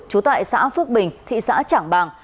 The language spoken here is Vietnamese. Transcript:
trú tại xã phước bình thị xã trảng bàng